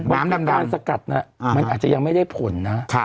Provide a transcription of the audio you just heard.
วิธีการสกัดมันอาจจะยังไม่ได้ผลนะ